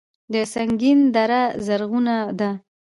د سنګین دره زرغونه ده